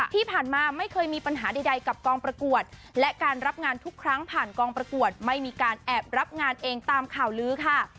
ที่ผ่านมาไม่เคยมีปัญหาใดกับกองประกวดและการรับงานทุกครั้งผ่านกองประกวดไม่มีการแอบรับงานเองตามข่าวลื้อค่ะ